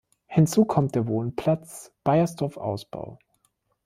Hinzu kommt der Wohnplatz Beiersdorf Ausbau.